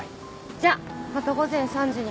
じゃまた午前３時に。